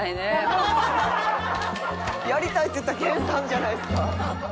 やりたいって言ったの研さんじゃないですか。